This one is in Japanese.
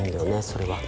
それは。